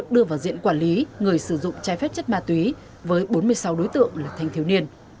đưa vào diện quản lý người sử dụng trái phép chất ma túy với bốn mươi sáu đối tượng là thanh thiếu niên